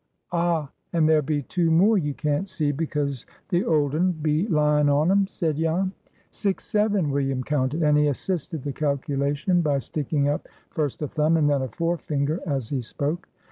"Ah, and there be two more you can't see, because the old un be lying on 'em," said Jan. "Six, seven!" William counted; and he assisted the calculation by sticking up first a thumb and then a forefinger as he spoke.